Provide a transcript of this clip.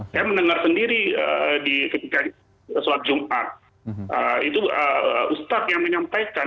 saya mendengar sendiri di suap jum'at itu ustaz yang menyampaikan